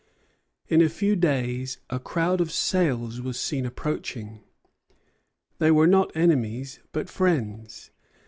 In a few days a crowd of sails was seen approaching. They were not enemies, but friends.